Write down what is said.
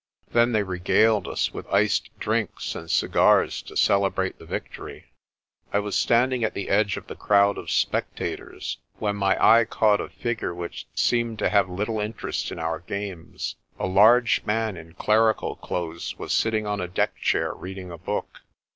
Then they regaled us with iced drinks and cigars to celebrate the victory. I was standing at the edge of the crowd of spectators, when my eye caught a figure which seemed to have little interest in our games. A large man in clerical clothes was sitting on a deck chair reading a book.